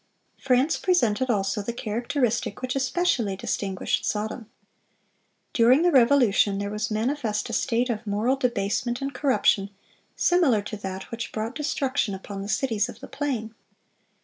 (394) France presented also the characteristic which especially distinguished Sodom. During the Revolution there was manifest a state of moral debasement and corruption similar to that which brought destruction upon the cities of the plain.